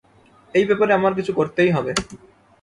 এই ব্যাপারে আমার কিছু করতেই হবে।